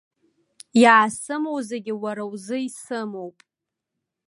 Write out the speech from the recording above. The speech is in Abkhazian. Иаасымоу зегьы уара узы исымоуп.